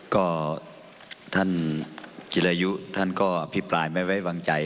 ก็ท่านจิรายุท่านก็อภิปรายไม่ไว้วางใจ